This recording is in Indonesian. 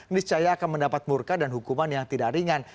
niscaya akan mendapat murka dan hukuman yang tidak ringan